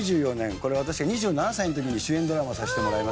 これは私が２７歳の時に主演ドラマをさせてもらいます